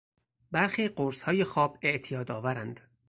برخی قرصهای خواب اعتیاد آورند.